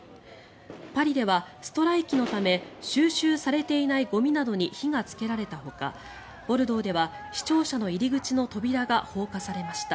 パリではストライキのため収集されていないゴミなどに火がつけられたほかボルドーでは市庁舎の入り口の扉が放火されました。